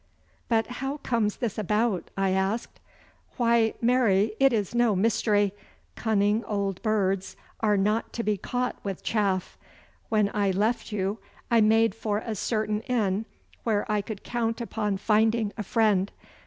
'But how comes this about?' I asked. 'Why, marry, it is no mystery. Cunning old birds are not to be caught with chaff. When I left you I made for a certain inn where I could count upon finding a friend.